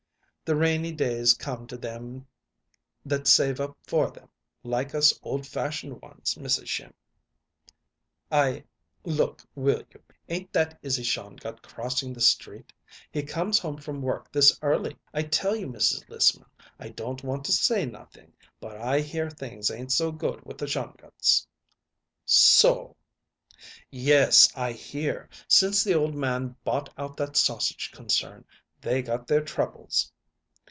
"The rainy days come to them that save up for them, like us old fashioned ones, Mrs. Schimm." "I Look, will you? Ain't that Izzy Shongut crossing the street? He comes home from work this early! I tell you, Mrs. Lissman, I don't want to say nothing; but I hear things ain't so good with the Shonguts." "So!" "Yes; I hear, since the old man bought out that sausage concern, they got their troubles."